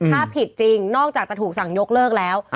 ถ้าผิดจริงนอกจากจะถูกสั่งยกเลิกแล้ว